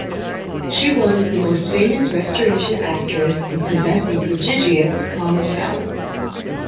She was the most famous Restoration actress and possessed a prodigious comic talent.